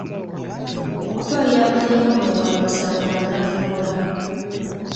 Okutwalira amateeka mu ngalo musango gwa naggomola.